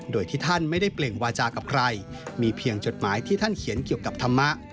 โดยที่ท่านไม่ได้เปล่งวาจากับใครมีเพียงจดหมายที่ท่านเขียนเกี่ยวกับธรรมะ